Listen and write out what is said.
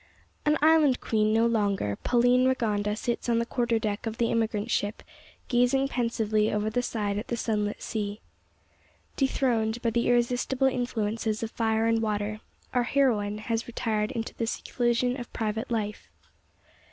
An Island Queen no longer, Pauline Rigonda sits on the quarter deck of the emigrant ship gazing pensively over the side at the sunlit sea. Dethroned by the irresistible influences of fire and water, our heroine has retired into the seclusion of private life.